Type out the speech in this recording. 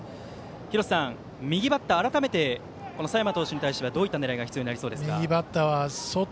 廣瀬さん、右バッターは改めて、佐山投手に対してはどういう狙いが必要ですか？